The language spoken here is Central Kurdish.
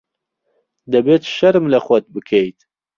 دەبێت شەرم لە خۆت بکەیت.